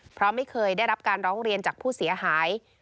เพราะไม่เคยได้รับการร้องเรียนจากผู้เสียหาย